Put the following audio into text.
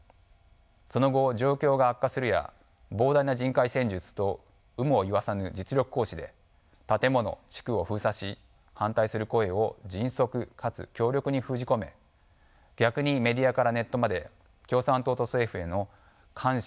その後状況が悪化するや膨大な人海戦術と有無を言わさぬ実力行使で建物・地区を封鎖し反対する声を迅速かつ強力に封じ込め逆にメディアからネットまで共産党と政府への感謝